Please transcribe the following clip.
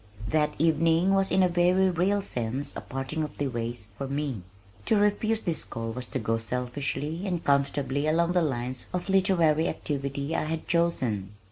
That evening was in a very real sense a parting of the ways for me. To refuse this call was to go selfishly and comfortably along the lines of literary activity I had chosen.